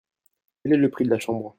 Quel est le prix de la chambre ?